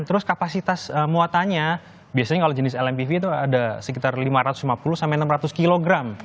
terus kapasitas muatannya biasanya kalau jenis lmpv itu ada sekitar lima ratus lima puluh sampai enam ratus kg